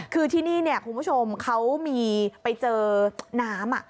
คือที่นี่คุณผู้ชมเขามีไปเจอน้ำ